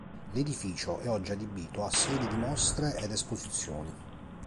L'edificio è oggi adibito a sede di mostre ed esposizioni.